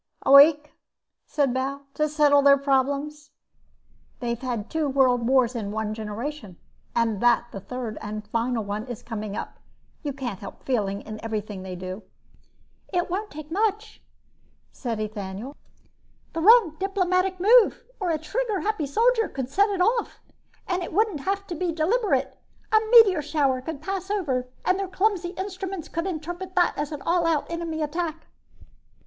"A week?" said Bal. "To settle their problems? They've had two world wars in one generation and that the third and final one is coming up you can't help feeling in everything they do." "It won't take much," said Ethaniel. "The wrong diplomatic move, or a trigger happy soldier could set it off. And it wouldn't have to be deliberate. A meteor shower could pass over and their clumsy instruments could interpret it as an all out enemy attack."